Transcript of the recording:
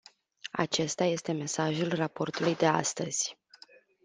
Acesta este mesajul raportului de astăzi.